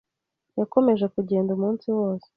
Yakomeje kugenda umunsi wose.